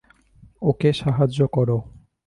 ওকে সাহায্য করো।